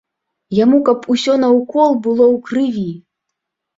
Яму каб усё наўкол было ў крыві.